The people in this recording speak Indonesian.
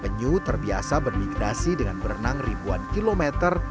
penyu terbiasa bermigrasi dengan berenang ribuan kilometer